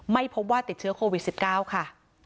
ไม่พบว่าติดเชื้อโควิด๑๙ค่ะ